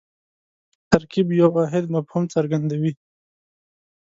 ترکیب یو واحد مفهوم څرګندوي.